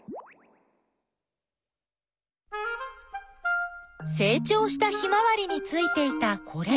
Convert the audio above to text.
せい長したヒマワリについていたこれなんだろう？